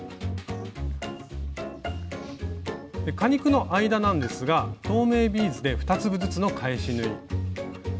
果肉の間なんですが透明ビーズで２粒ずつの返し縫い。